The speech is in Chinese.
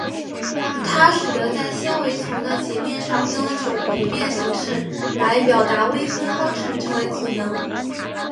它使得在纤维丛的截面上用一种不变形式来表达微分方程成为可能。